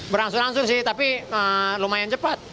berangsur angsur sih tapi lumayan cepat